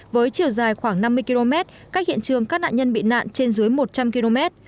với chiều dài khoảng năm mươi km cách hiện trường các nạn nhân bị nạn trên dưới một trăm linh km